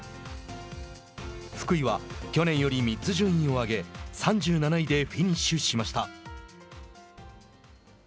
福井は去年より３つ順位を上げ３７位でフィニッシュしました。